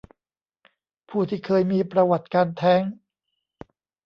ผู้ที่เคยมีประวัติการแท้ง